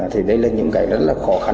thì đây là những cái rất là khó khăn